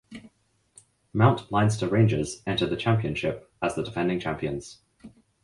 Mount Leinster Rangers entered the championship as the defending champions.